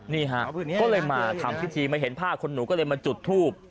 นี่ฮะก็เลยมาทำพิธีมาเห็นผ้าคนหนูก็เลยมาจุดทูบ